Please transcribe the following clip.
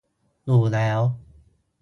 อยู่แล้ว